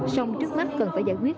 xong trước mắt cần phải giải quyết